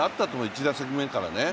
１打席目からね。